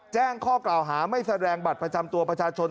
แจ้งข้อกล่าวหาไม่แสดงบัตรประจำตัวประชาชน